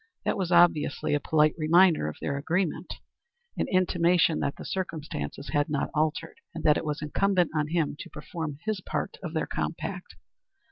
That was obviously a polite reminder of their agreement; an intimation that the circumstances had not altered, and that it was incumbent on him to perform his part of their compact.